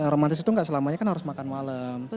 romantis itu gak selamanya kan harus makan malam